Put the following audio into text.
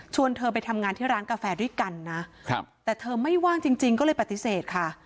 เธอไปทำงานที่ร้านกาแฟด้วยกันนะครับแต่เธอไม่ว่างจริงก็เลยปฏิเสธค่ะ